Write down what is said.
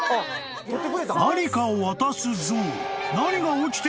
［何かを渡すゾウ］